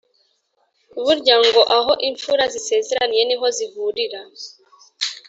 Burya ngo " aho imfura zisezeraniye niho zihurira”